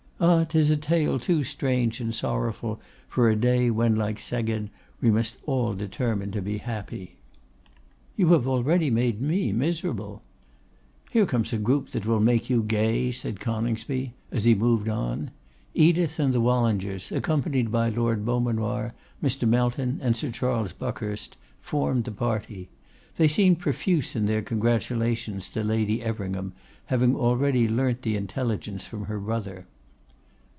'Ah! 'tis a tale too strange and sorrowful for a day when, like Seged, we must all determine to be happy.' 'You have already made me miserable.' 'Here comes a group that will make you gay,' said Coningsby as he moved on. Edith and the Wallingers, accompanied by Lord Beaumanoir, Mr. Melton, and Sir Charles Buckhurst, formed the party. They seemed profuse in their congratulations to Lady Everingham, having already learnt the intelligence from her brother.